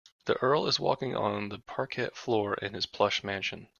The earl is walking on the parquet floor in his plush mansion.